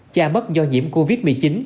cha mất do nhiễm covid một mươi chín